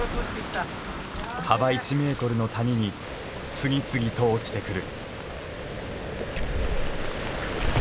幅１メートルの谷に次々と落ちてくる。